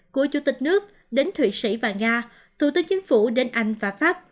của chủ tịch nước đến thụy sĩ và nga thủ tướng chính phủ đến anh và pháp